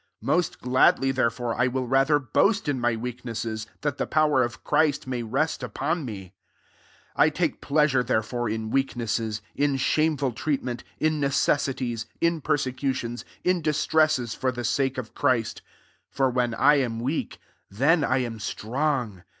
^ Most gladly therefore I will rather boast in my weaknesses, that the power of Christ may rest upon me. 10 I take pleasure therefore in weaknesses, in shameful treatment, in necessities, in persecutions, in distresses for tdie sake of Christ : for when I am weak, then I am strong.